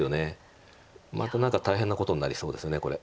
また何か大変なことになりそうですこれ。